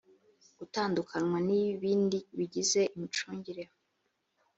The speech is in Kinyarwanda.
gutandukanwa n ibindi bigize imicungire